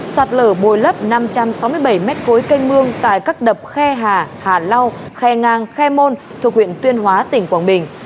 sạt lở bồi lấp năm trăm sáu mươi bảy m ba canh mương tại các đập khe hà hà lau khe ngang khe môn thuộc huyện tuyên hóa tỉnh quảng bình